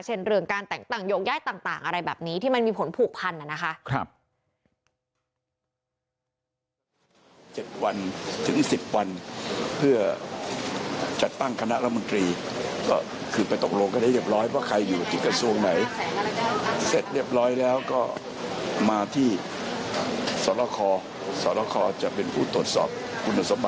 เรื่องการแต่งตั้งโยกย้ายต่างอะไรแบบนี้ที่มันมีผลผูกพันนะคะ